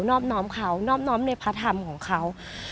อบน้อมเขานอบน้อมในพระธรรมของเขา